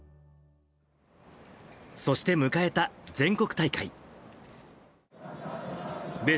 そして迎えた全国大会。